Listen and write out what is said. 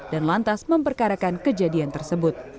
dan lantas memperkarakan kejadian tersebut